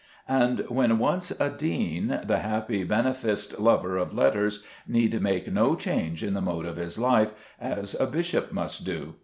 And, when once a dean, the happy beneficed lover of letters need make no change in the mode of his life, as a bishop must do.